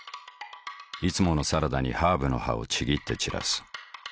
いつものサラダにハーブの葉をちぎって散らす。